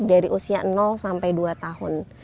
dari usia sampai dua tahun